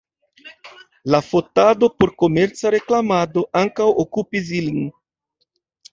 La fotado por komerca reklamado ankaŭ okupis lin.